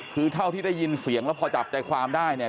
คือเท่าที่ได้ยินเสียงแล้วพอจับใจความได้เนี่ย